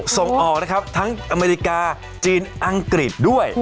ส่งออกนะครับทั้งอเมริกาจีนอังกฤษด้วย